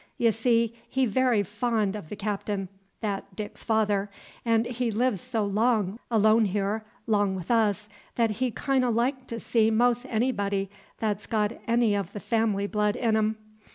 Y' see, he very fond o' the Cap'n, that Dick's father, 'n' he live so long alone here, 'long wi' us, that he kin' o' like to see mos' anybody 't 's got any o' th' of family blood in 'em.